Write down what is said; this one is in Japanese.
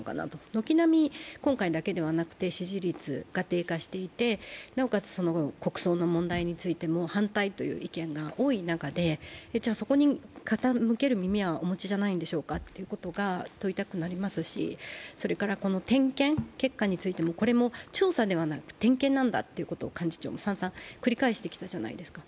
軒並み、今回だけではなくて支持率が低下していてなおかつ国葬の問題についても反対という意見が多い中でじゃあ、そこに傾ける耳はお持ちじゃないんですかと問いかけたくなりますし、点検結果についても、これは調査ではなく点検なんだと、幹事長はさんざん繰り返してきたじゃないですか。